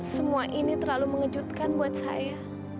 semua ini terlalu mengejutkan buat saya